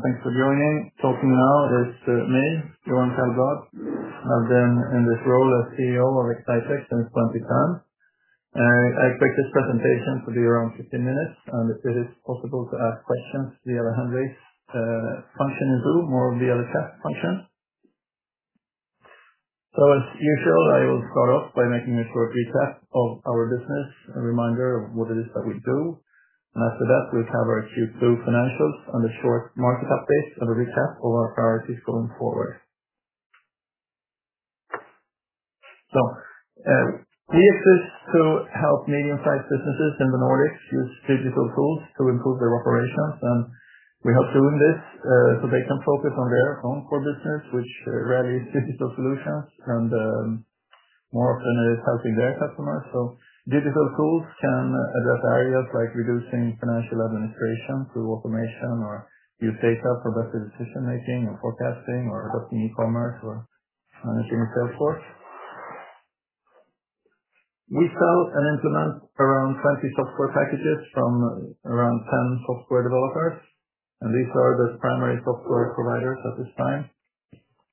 Thanks for joining. Talking now is me, Johan Kallblad. I've been in this role as CEO of Exsitec since 2010 and I expect this presentation to be around 15 minutes and if it is possible to ask questions we have a hand raise function in Zoom or we have a chat function. As usual I will start off by making a short recap of our business a reminder of what it is that we do and after that we'll cover Q2 financials and a short market update and a recap of our priorities going forward. We exist to help medium-sized businesses in the Nordics use digital tools to improve their operations and we help doing this so they can focus on their own core business which rarely is digital solutions and more often is helping their customers. Digital tools can address areas like reducing financial administration through automation or use data for better decision making or forecasting or adopting e-commerce or managing a sales force. We sell and implement around 20 software packages from around 10 software developers and these are the primary software providers at this time.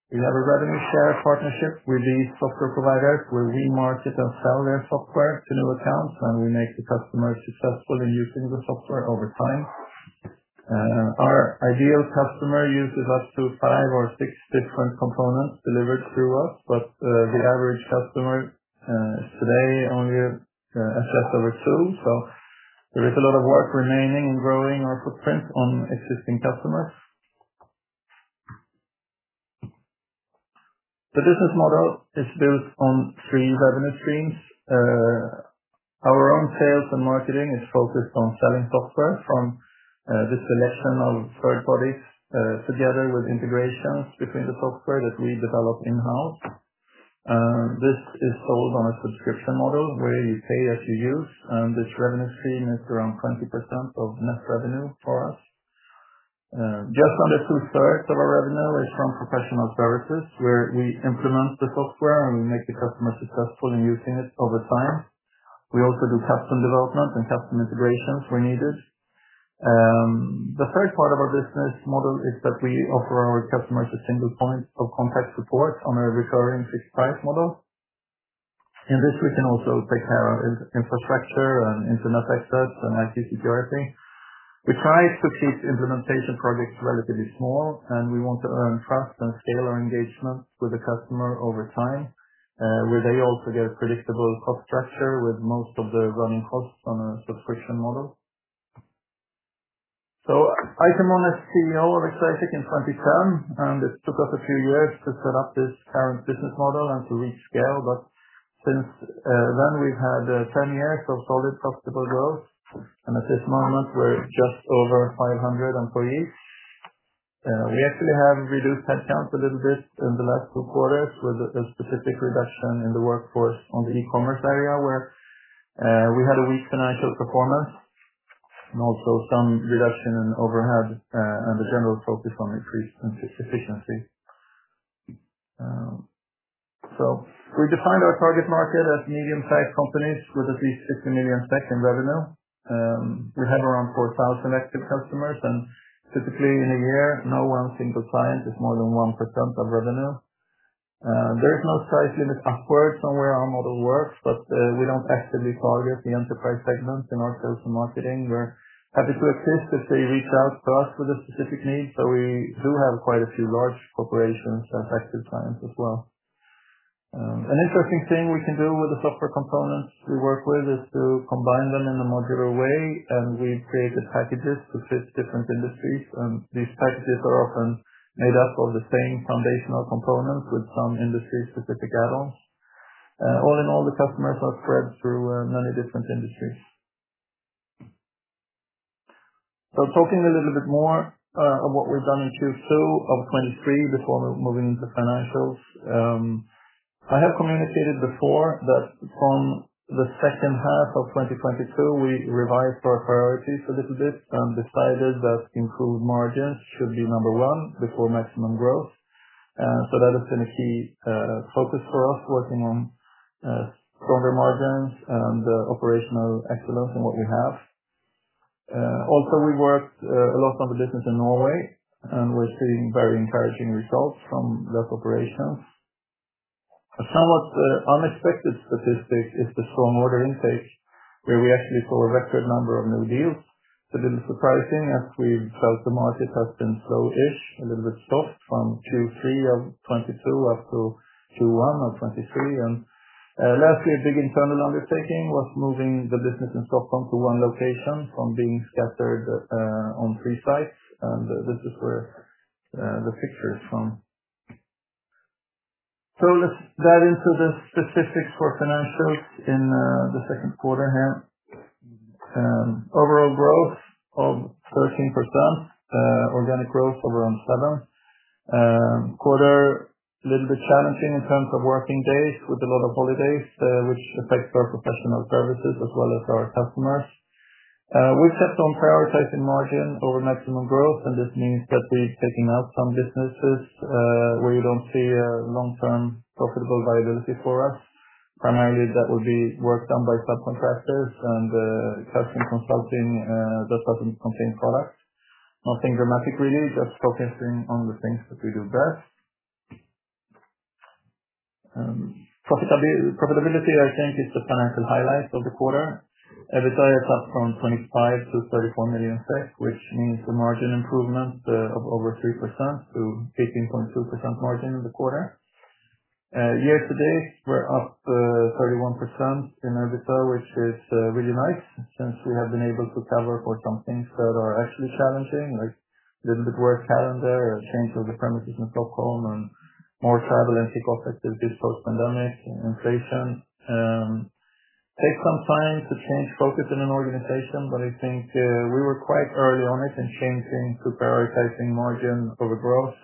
We have a revenue share partnership with these software providers where we market and sell their software to new accounts and we make the customer successful in using the software over time. Our ideal customer uses up to 5 or 6 different components delivered through us but the average customer today only access over 2 so there is a lot of work remaining in growing our footprint on existing customers. The business model is built on 3 revenue streams. Our own sales and marketing is focused on selling software from the selection of third parties together with integrations between the software that we develop in-house. This is sold on a subscription model where you pay as you use and this revenue stream is around 20% of net revenue for us. Just under 2/3 of our revenue is from professional services, where we implement the software, and we make the customer successful in using it over time. We also do custom development and custom integrations where needed. The third part of our business model is that we offer our customers a single point of contact support on a recurring fixed price model. In this we can also take care of infrastructure and internet access and IT security. We try to keep implementation projects relatively small, and we want to earn trust and scale our engagement with the customer over time where they also get a predictable cost structure with most of the running costs on a subscription model. I became CEO of Exsitec in 2010, and it took us a few years to set up this current business model and to reach scale. Since then we've had 10 years of solid profitable growth and at this moment we're just over 500 employees. We actually have reduced headcount a little bit in the last two quarters with a specific reduction in the workforce on the e-commerce area where we had a weak financial performance and also some reduction in overhead, and a general focus on increased efficiency. We defined our target market as medium-sized companies with at least 50 million in revenue. We have around 4,000 active customers and typically in a year no one single client is more than 1% of revenue. There's no size limit upwards on where our model works we don't actively target the enterprise segment in our sales and marketing. We're happy to exist if they reach out to us with a specific need we do have quite a few large corporations as active clients as well. An interesting thing we can do with the software components we work with is to combine them in a modular way we've created packages to fit different industries these packages are often made up of the same foundational components with some industry-specific add-ons. All in all the customers are spread through many different industries. Talking a little bit more of what we've done in Q2 of 2023 before moving into financials. I have communicated before that from the second half of 2022 we revised our priorities a little bit and decided that improved margins should be number one before maximum growth. That has been a key focus for us, working on stronger margins and operational excellence in what we have. Also we worked a lot on the business in Norway and we're seeing very encouraging results from those operations. A somewhat unexpected statistic is the strong order intake, where we actually saw a record number of new deals. It's a little surprising as we felt the market has been slow-ish a little bit soft from Q3 2022-Q1 2023. Lastly, a big internal undertaking was moving the business in Stockholm to one location from being scattered on three sites and this is where the picture is from. Let's dive into the specifics for financials in the 2nd quarter here. Overall growth of 13% organic growth around 7%. Quarter, little bit challenging in terms of working days with a lot of holidays, which affects our professional services as well as our customers. We've kept on prioritizing margin over maximum growth and this means that we're taking out some businesses where we don't see a long-term profitable viability for us. Primarily, that would be work done by subcontractors and custom consulting that doesn't contain products. Nothing dramatic really just focusing on the things that we do best. Profitability, I think, is the financial highlight of the quarter. EBITDA is up from 25 million-34 million SEK which means the margin improvement of over 3%-18.2% margin in the quarter. Year to date, we're up 31% in EBITDA which is really nice since we have been able to cover for some things that are actually challenging like little bit worse calendar change of the premises in Stockholm and more travel and people activities post-pandemic and inflation. Takes some time to change focus in an organization but I think we were quite early on it in changing to prioritizing margin over growth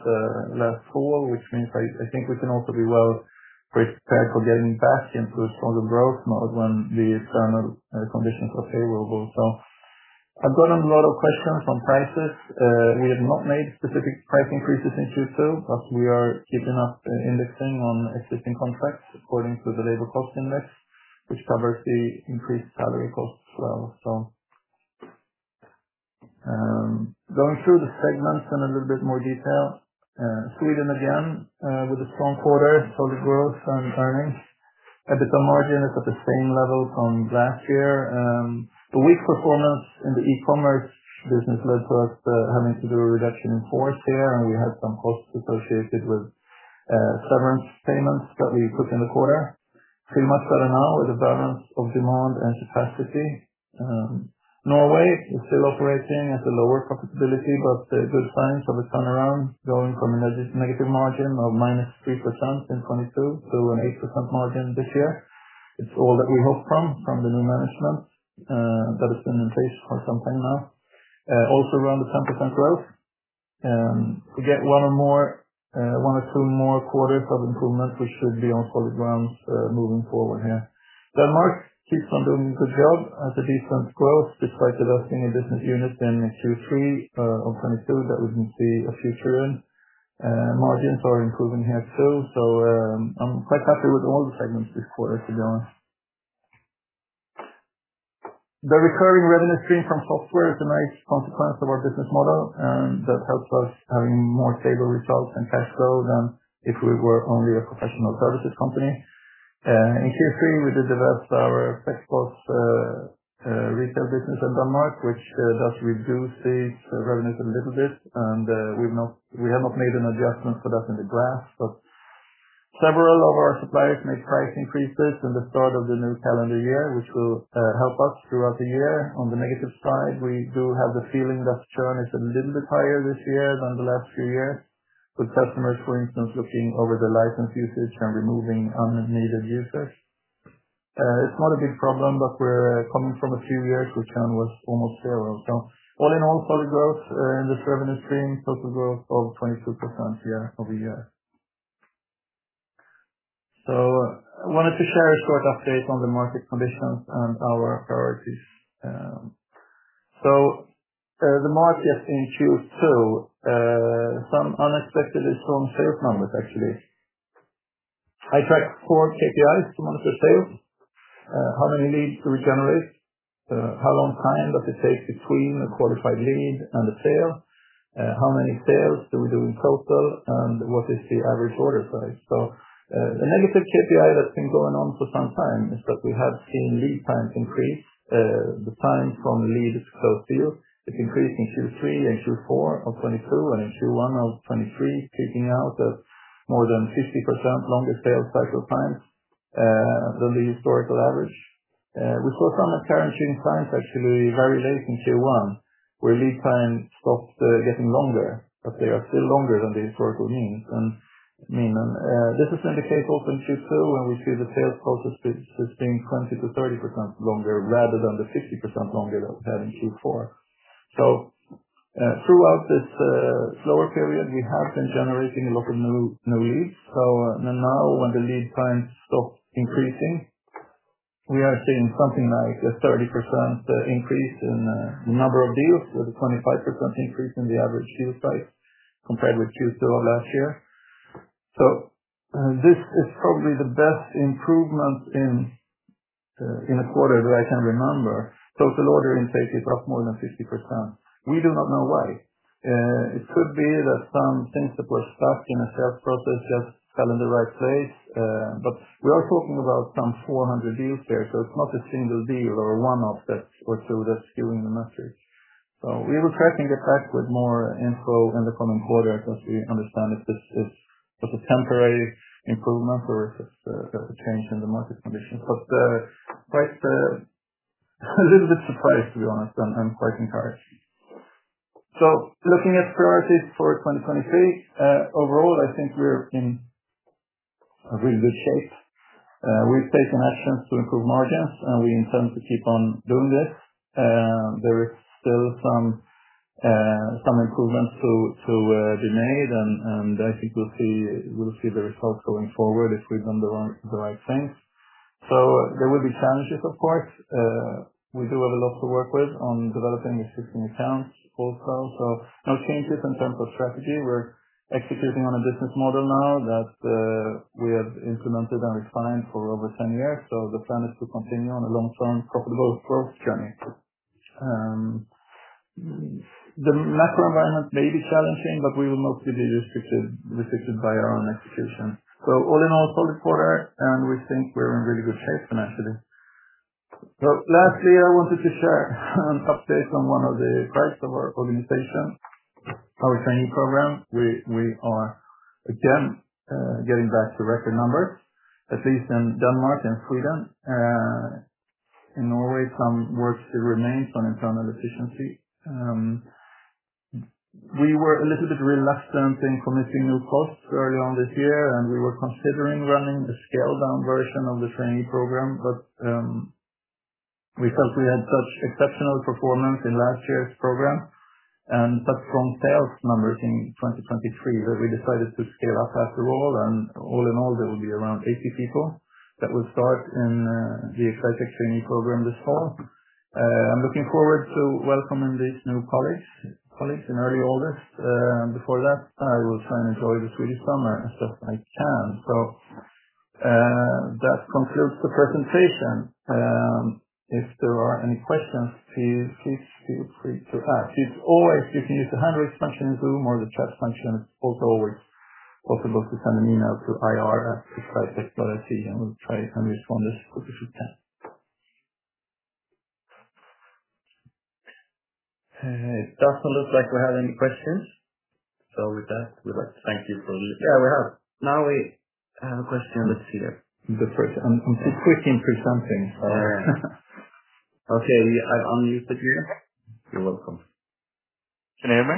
last fall which means I think we can also be well prepared for getting back into a stronger growth mode when the external conditions are favorable. I've gotten a lot of questions on prices we have not made specific price increases in Q2, but we are keeping up indexing on existing contracts according to the labor cost index which covers the increased salary costs as well. Going through the segments in a little bit more detail. Sweden again with a strong quarter solid growth and earnings. EBITDA margin is at the same level from last year. The weak performance in the e-commerce business led to us having to do a reduction in force here, and we had some costs associated with severance payments that we put in the quarter. Feel much better now with the balance of demand and capacity. Norway is still operating at a lower profitability but good signs of a turnaround going from a negative margin of -3% in 2022 to an 8% margin this year. It's all that we hope from the new management that has been in place for some time now. Also around the 10% growth. To get one or two more quarters of improvement we should be on solid grounds moving forward here. Denmark keeps on doing a good job at a decent growth, despite divesting a business unit in Q3 of 2022, that we see a future in. Margins are improving here, too. I'm quite happy with all the segments this quarter to be honest. The recurring revenue stream from software is a nice consequence of our business model, and that helps us having more stable results and cash flow than if we were only a professional services company. In Q3 we did divest our Pet-Booqz retail business in Denmark which does reduce the revenues a little bit and we have not made an adjustment for that in the graph but several of our suppliers made price increases in the start of the new calendar year, which will help us throughout the year. On the negative side, we do have the feeling that churn is a little bit higher this year than the last few years, with customers, for instance, looking over the license usage and removing unneeded usage. It's not a big problem, we're coming from a few years where churn was almost zero. All in all, solid growth in this revenue stream, total growth of 22% year-over-year. I wanted to share a short update on the market conditions and our priorities. The market has been Q2, some unexpectedly strong sales numbers, actually. I track four KPIs to monitor sales: how many leads do we generate, how long time does it take between a qualified lead and a sale, how many sales do we do in total, and what is the average order size? The negative KPI that's been going on for some time, is that we have seen lead times increase. The time from lead to close deal, it increased in Q3 and Q4 of 2022 and Q1 of 2023, peaking out at more than 50% longer sales cycle times than the historical average. We saw some encouraging signs actually very late in Q1, where lead time stopped getting longer, but they are still longer than the historical means, and mean. This is indicated also in Q2, when we see the sales process is being 20%-30% longer, rather than the 50% longer that we had in Q4. Throughout this slower period, we have been generating a lot of new leads. Now, when the lead time stops increasing, we are seeing something like a 30% increase in the number of deals, with a 25% increase in the average deal size compared with Q2 of last year. This is probably the best improvement in a quarter that I can remember. Total order intake is up more than 50%. We do not know why. It could be that some things that were stuck in a sales process just fell in the right place, but we are talking about some 400 deals here, so it's not a single deal or a one-off that we're through that's skewing the message. We will track and get back with more info in the coming quarters, as we understand if this is just a temporary improvement or if it's a change in the market conditions. Quite a little bit surprised to be honest I'm quite encouraged. Looking at priorities for 202 overall I think we're in a really good shape. We've taken actions to improve margins, and we intend to keep on doing this. There is still some improvements to be made, and I think we'll see the results going forward if we've done the right thing. There will be challenges, of course. We do have a lot to work with on developing existing accounts also. No changes in terms of strategy. We're executing on a business model now that we have implemented and refined for over 10 years. The plan is to continue on a long-term, profitable growth journey. The macro environment may be challenging but we will not be restricted by our own execution. All in all solid quarter and we think we're in really good shape financially. Lastly, I wanted to share an update on one of the parts of our organization our training program. We are again getting back to record numbers at least in Denmark and Sweden. In Norway some work still remains on internal efficiency. We were a little bit reluctant in committing new costs early on this year and we were considering running a scaled down version of the training program. Because we had such exceptional performance in last year's program, and strong sales numbers in 2023, that we decided to scale up after all, and all in all, there will be around 80 people that will start in the [Cryptex] training program this fall. I'm looking forward to welcoming these new colleagues in early August. Before that I will try and enjoy the Swedish summer as best as I can. That concludes the presentation. If there are any questions please feel free to ask. As always, you can use the hand raise function in Zoom or the chat function, also always, also possible to send an email to ir@exsitec.se, and we'll try and respond as quickly as we can. It doesn't look like we have any questions so with that we'd like to thank you for listening. Yeah, we have. Now we have a question. Let's see there. I'm switching to something. Okay. We unmute you. You're welcome. Can you hear me?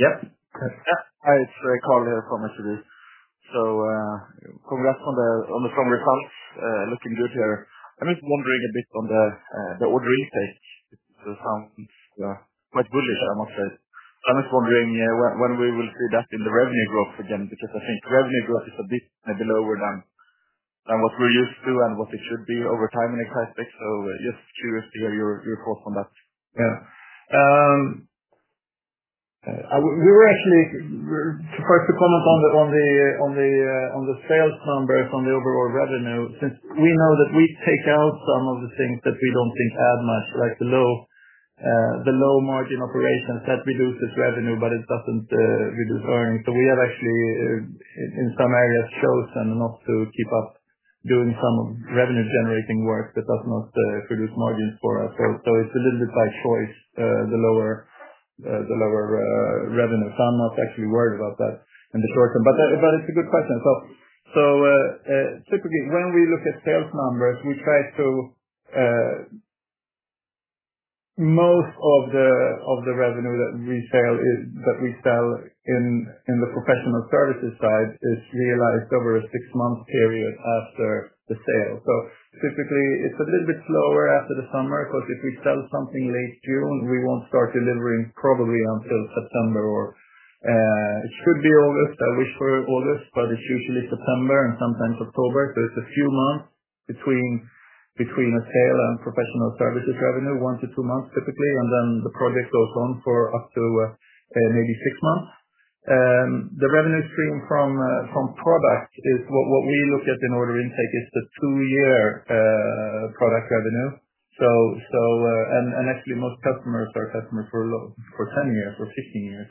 Yep. Yeah. Hi, it's Carl here from Reuters. Congrats on the strong results. Looking good here. I'm just wondering a bit on the order intake. It sounds quite bullish I must say. I'm just wondering when we will see that in the revenue growth again because I think revenue growth is a bit maybe lower than what we're used to and what it should be over time in Exsitec. Just curious to hear your thoughts on that. Yeah. We were actually... First, to comment on the sales numbers, on the overall revenue since we know that we take out some of the things that we don't think add much like the low the low-margin operations that reduces revenue but it doesn't reduce earnings. We have actually in some areas chosen not to keep up doing some revenue-generating work that does not produce margins for us. It's a little bit by choice the lower revenue so I'm not actually worried about that in the short term. But it's a good question. Typically, when we look at sales numbers we try to... Most of the revenue that we sell in the professional services side is realized over a 6-month period after the sale. Typically, it's a little bit slower after the summer because if we sell something late June we won't start delivering probably until September or, it should be August. I wish for August but it's usually September and sometimes October. It's a few months between a sale and professional services revenue 1 to 2 months, typically, and then the project goes on for up to, maybe 6 months. The revenue stream from product is, what we look at in order intake, is the 2-year product revenue. Actually, most customers are customers for 10 years or 15 years.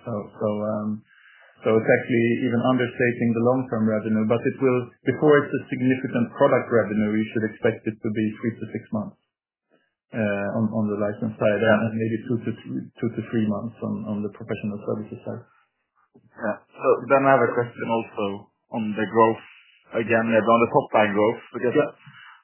It's actually even understating the long-term revenue, but it will, before it's a significant product revenue, you should expect it to be 3 to 6 months on the license side and maybe 2 to 3 months on the professional services side. Yeah. I have a question also on the growth again on the top line growth- Yeah.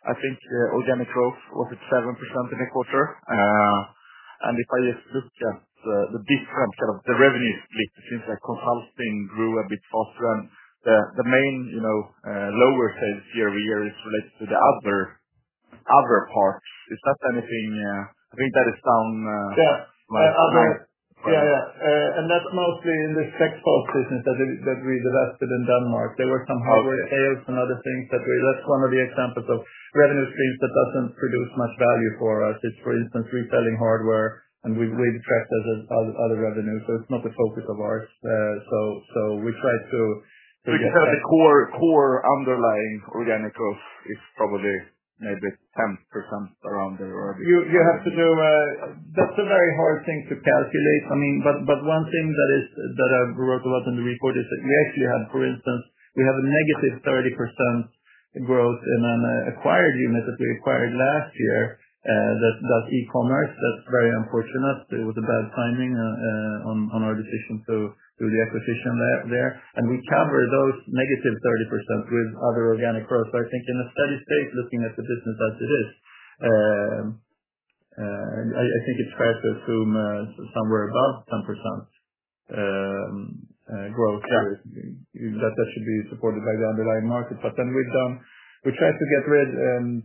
I think the organic growth was at 7% in the quarter. If I just look at the big trends sort of the revenue split it seems like consulting grew a bit faster and the main you know lower sales year-over-year is related to the other part. Is that anything? I think that is some. Yeah. Like- Other. Yeah, yeah. That's mostly in the [Techforce business that we divested in Denmark. Okay. There were some hardware sales and other things. That's one of the examples of revenue streams that doesn't produce much value for us. It's for instance reselling hardware and we tracked it as other revenue so it's not the focus of ours. the core underlying organic growth is probably maybe 10%, around there or? You have to do a. That's a very hard thing to calculate. I mean, but one thing that is, that I wrote about in the report is that we actually had for instance we have a negative 30% growth in an acquired unit that we acquired last year that does e-commerce. That's very unfortunate. It was a bad timing on our decision to do the acquisition there. We cover those negative 30% with other organic growth. I think in a steady state looking at the business as it is I think it's fair to assume somewhere above 10% growth. Yeah. That should be supported by the underlying market. We tried to get rid.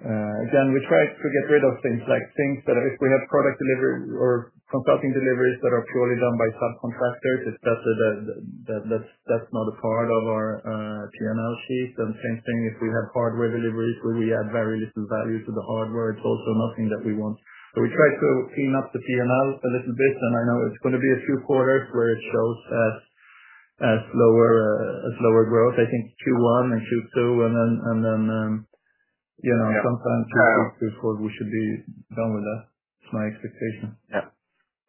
Again, we tried to get rid of things like things that if we have product delivery or consulting deliveries that are purely done by subcontractors it's just that's not a part of our PNL sheet. Same thing, if we have hardware deliveries where we add very little value to the hardware it's also nothing that we want. We try to clean up the PNL a little bit, and I know it's going to be a few quarters where it shows us slower growth I think Q1 and Q2, and then you know sometime- Yeah. Q3, Q4, we should be done with that. It's my expectation. Yeah.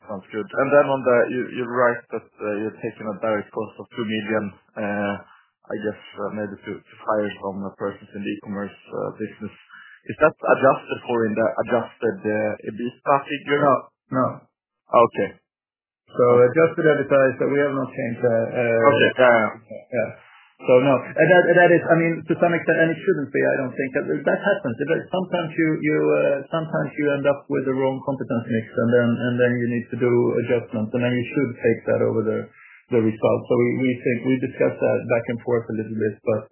Sounds good. On the, you're right, that you're taking a direct cost of 2 million, I guess, maybe to hire from the purchase in the e-commerce business. Is that adjusted for in the adjusted EBIT figure? No, no. Okay. Adjusted, I decide that we have not changed the. Okay. Yeah. Yeah. No. That, and that is, I mean, to some extent, and it shouldn't be, I don't think, that happens, sometimes you, sometimes you end up with the wrong competency mix, and then, and then you need to do adjustments, and then you should take that over the results. We discussed that back and forth a little bit, but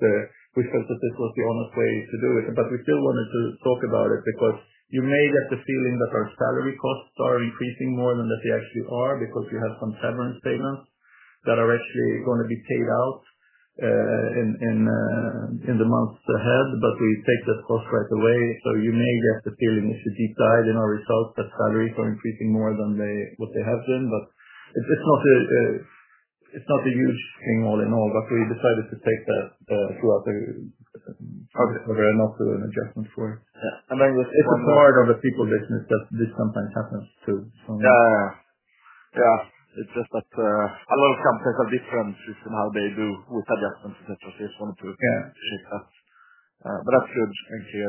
we felt that this was the honest way to do it. We still wanted to talk about it, because you may get the feeling that our salary costs are increasing more than they actually are, because you have some severance payments, that are actually going to be paid out, in, in the months ahead. We take that cost right away, so you may get the feeling, if you deep dive in our results, that salaries are increasing more than they, what they have been. It's not a huge thing, all in all, but we decided to take that throughout. Okay. Not do an adjustment for it. Yeah. And then just- It's a part of the people business that this sometimes happens, too. Yeah. Yeah. It's just that, a lot of companies have different system, how they do with adjustments, et cetera. They just. Yeah. Shift that. That's good. Thank you.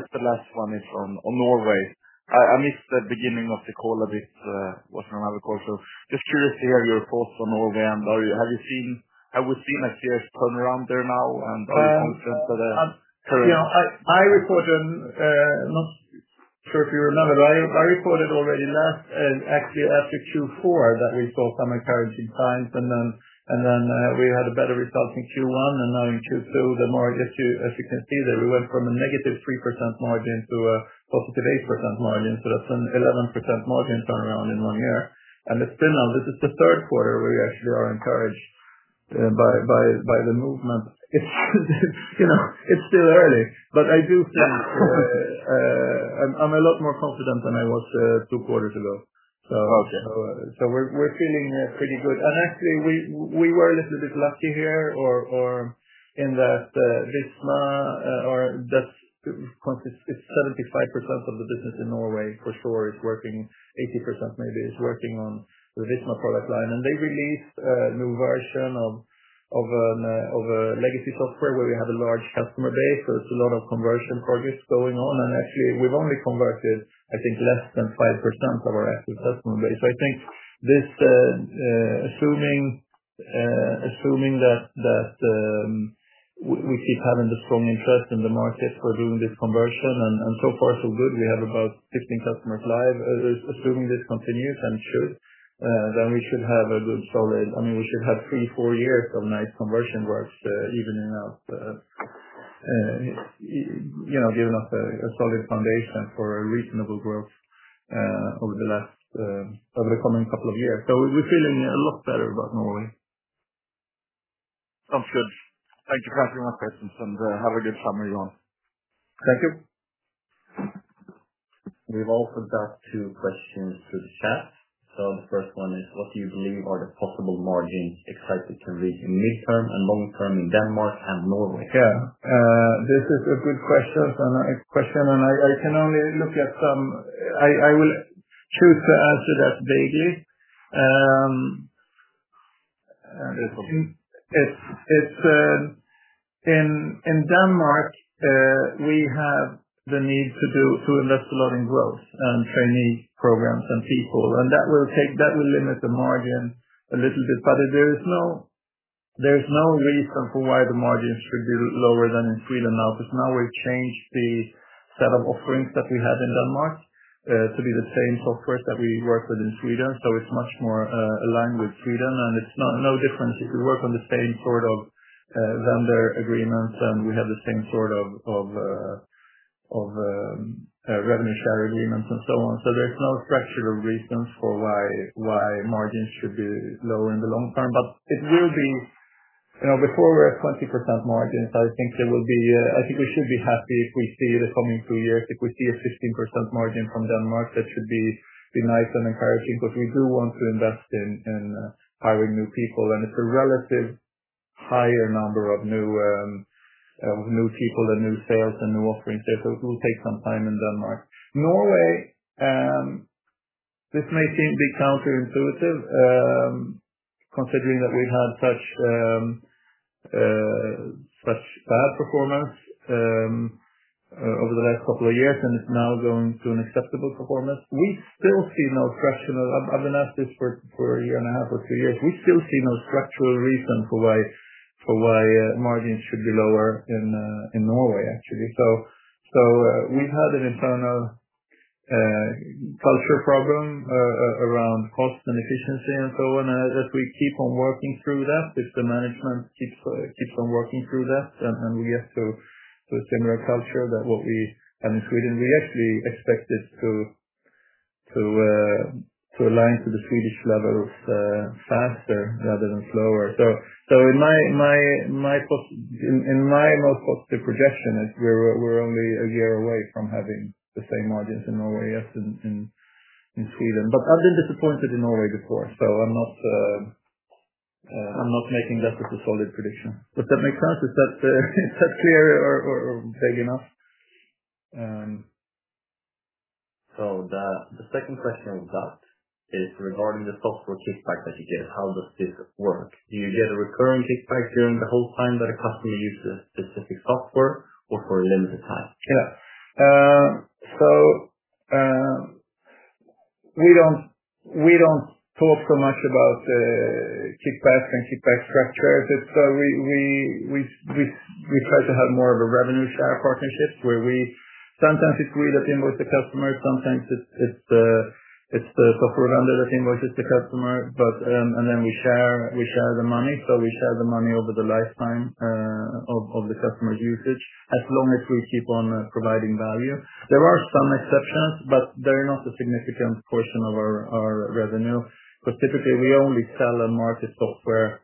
Just the last one is on Norway. I missed the beginning of the call a bit, was on another call. Just curious to hear your thoughts on Norway. Have we seen a clear turnaround there now? Um- any potential there? You know, I reported, not sure if you remember, but I reported already last, actually after Q4, that we saw some encouraging signs, and then we had a better result in Q1 and now in Q2 the margin as you can see there, we went from a negative 3% margin to a positive 8% margin. That's an 11% margin turnaround in one year. It's been now this is the third quarter where we actually are encouraged by the movement. It's you know it's still early but I do think I'm a lot more confident than I was, two quarters ago. Okay. We're feeling pretty good. Actually, we were a little bit lucky here or in that Visma or just it's 75% of the business in Norway for sure is working 80% maybe, is working on the Visma product line. They released a new version of a legacy software where we have a large customer base. It's a lot of conversion projects going on and actually we've only converted I think less than 5% of our active customer base. I think this assuming that we keep having the strong interest in the market for doing this conversion and so far so good we have about 16 customers live. Assuming this continues and should we should have a good solid. I mean, we should have three, four years of nice conversion works even enough you know giving us a solid foundation for a reasonable growth over the last over the coming couple of years. We're feeling a lot better about Norway. Sounds good. Thank you. Thank you for your questions and have a good summer you all. Thank you. We've also got two questions through the chat. The first one is: What do you believe are the possible margin expected to read in midterm and long-term in Denmark and Norway? Yeah. This is a good question. I will choose to answer that vaguely. It's in Denmark, we have the need to invest a lot in growth and training programs and people and that will limit the margin a little bit. There is no reason for why the margins should be lower than in Sweden now, because now we've changed the set of offerings that we have in Denmark to be the same softwares that we work with in Sweden. It's much more aligned with Sweden and it's no different. We work on the same sort of vendor agreements, and we have the same sort of of revenue share agreements and so on. There's no structural reasons for why margins should be lower in the long term. You know, before we're at 20% margins, I think there will be, I think we should be happy if we see the coming two years, if we see a 16% margin from Denmark, that should be nice and encouraging. We do want to invest in hiring new people, and it's a relative higher number of new people, and new sales, and new offerings there so it will take some time in Denmark. Norway, this may be counterintuitive considering that we had such bad performance over the last 2 years and it's now going through an acceptable performance. We still see no structural. I've been asked this for a year and a half or 2 years. We still see no structural reason for why for why margins should be lower in Norway, actually. We've had an internal culture problem around cost and efficiency, and so on. If we keep on working through that, if the management keeps on working through that then and we get to a similar culture that what we have in Sweden we actually expect it to align to the Swedish level faster rather than slower. In my most positive projection is we're only a year away from having the same margins in Norway as in Sweden. in Sweden but I've been disappointed in Norway before so I'm not making that as a solid prediction. Does that make sense? Is that, is that clear or vague enough? The second question I've got is regarding the software kickback that you get. How does this work? Do you get a recurring kickback during the whole time that a customer uses specific software or for a limited time? We don't talk so much about kickbacks and kickback structure. We try to have more of a revenue share partnership where we sometimes it's we that invoice the customer sometimes it's the software vendor that invoices the customer. We share the money. We share the money over the lifetime of the customer's usage as long as we keep on providing value. There are some exceptions but they're not a significant portion of our revenue. Typically, we only sell and market software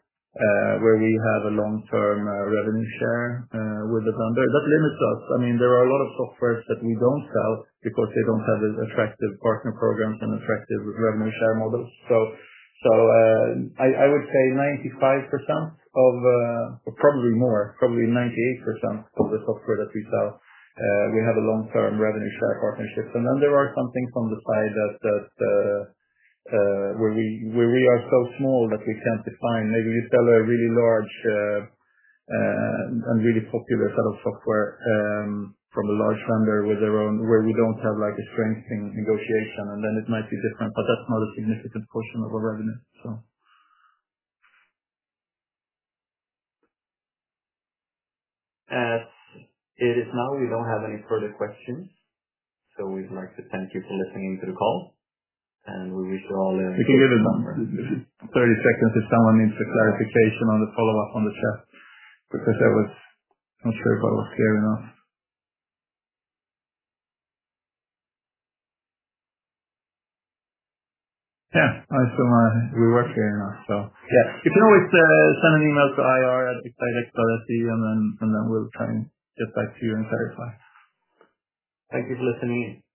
where we have a long-term revenue share with the vendor. That limits us. I mean there are a lot of softwares that we don't sell because they don't have as attractive partner programs and attractive revenue share models. I would say 95% of or probably more probably 98% of the software that we sell, we have a long-term revenue share partnerships. Then there are some things on the side that where we are so small that we can't define. Maybe we sell a really large and really popular set of software from a large vendor with their own... Where we don't have like a strength in negotiation and then it might be different but that's not a significant portion of our revenue. As it is now, we don't have any further questions. We'd like to thank you for listening to the call. We wish you all. We can give it another 30 seconds if someone needs a clarification on the follow-up on the chat, because I was not sure if I was clear enough. Yeah I assume we were clear enough. Yeah. You can always send an email to ir@exsitec.se and then and then we'll try and get back to you and clarify. Thank you for listening in.